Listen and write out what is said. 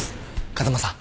風間さん。